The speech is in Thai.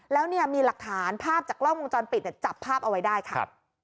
แล้วเนี่ยมีหลักฐานภาพจากกล้องวงจรปิดจับภาพเอาไว้ได้ค่ะ